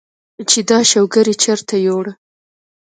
چې دا شوګر ئې چرته يوړۀ ؟